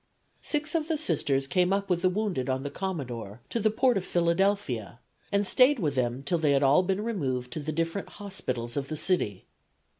Six of the Sisters came up with the wounded on the "Commodore" to the port of Philadelphia, and stayed with them until they had all been removed to the different hospitals of the city.